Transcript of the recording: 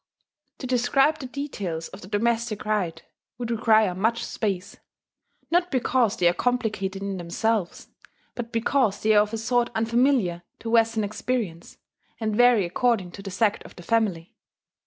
To describe the details of the domestic rite would require much space, not because they are complicated in themselves, but because they are of a sort unfamiliar to Western experience, and vary according to the sect of the family.